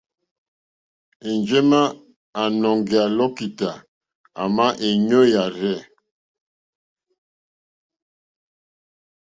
Enjema a nɔ̀ŋgeya lokità, àma è nyoò yàrzɛ.